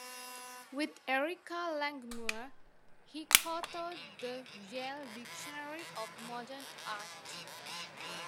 With Erika Langmuir, he coauthored the 'Yale Dictionary of Modern Art'.